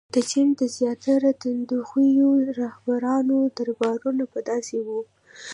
• د چین د زیاتره تندخویو رهبرانو دربارونه به داسې وو.